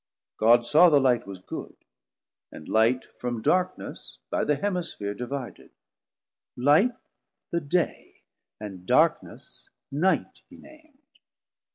God saw the Light was good; And light from darkness by the Hemisphere 250 Divided: Light the Day, and Darkness Night He nam'd.